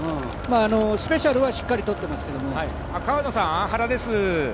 スペシャルはしっかり取っていますけど。